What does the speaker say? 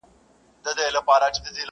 پر خوار او پر غریب د هر آفت لاسونه بر دي٫